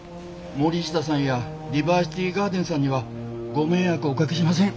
森下さんやディバーシティガーデンさんにはご迷惑おかけしません。